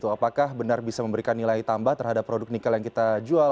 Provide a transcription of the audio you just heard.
apakah benar bisa memberikan nilai tambah terhadap produk nikel yang kita jual